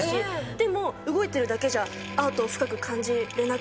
でも動いてるだけじゃアートを深く感じられなくなってくる。